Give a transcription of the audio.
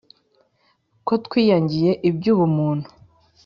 ko twiyangiye iby’ubumuntu